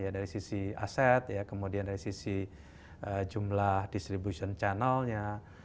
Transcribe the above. dari sisi aset kemudian dari sisi jumlah distribution channelnya